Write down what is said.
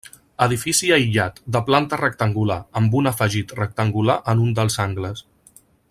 Edifici aïllat, de planta rectangular, amb un afegit rectangular en un dels angles.